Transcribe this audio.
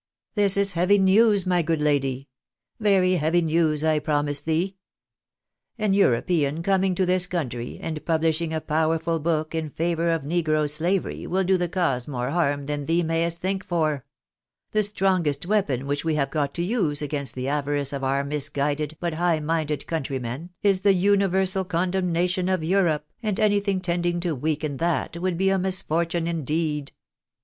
" This is heavy news, my good lady ; very heavy news, I promise thee. An European coming to this country and pubhshing a power ful book in favour of negro slavery will do the cause more harm than thee may'st think for. The strongest weapon which we have got to use against the avarice of our misguided, but high minded countrymen, is the universal condemnation of Europe, and anything tending to weaken that would be a misfortune indeed."